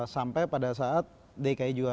sampai pada saat dki